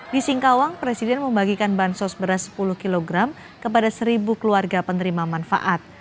di singkawang presiden membagikan bansos beras sepuluh kg kepada seribu keluarga penerima manfaat